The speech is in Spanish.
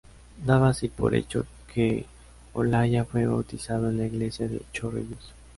Daba así por hecho que Olaya fue bautizado en la iglesia de Chorrillos.